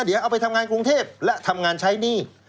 เดี๋ยวเอาไปทำงานกรุงเทพและทำงานใช้หนี้